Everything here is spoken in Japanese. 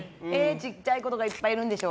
小さい子とかいっぱいいるんでしょ？